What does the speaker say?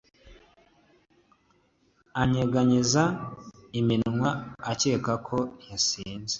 anyeganyeza iminwa akeka ko yasinze